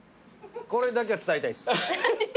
これだけは伝えたいです。